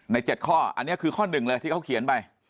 ๗ข้ออันนี้คือข้อหนึ่งเลยที่เขาเขียนไป